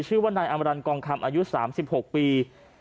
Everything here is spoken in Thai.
ชื่อว่านายอำรันกองคำอายุ๓๖ปี